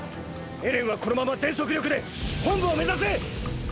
エレンはこのまま全速力で本部を目指せ！！